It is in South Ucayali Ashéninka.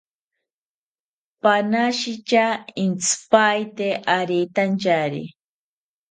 Panashitya intzipaete aretantyari